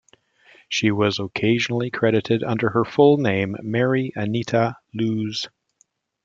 She was occasionally credited under her full name, Mary Anita Loos.